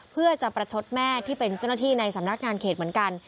เพื่อจะประชดแม่ที่เป็นเจ้าหน้าที่ในสำนักงานเขตเหมือนกัน